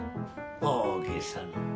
大げさな。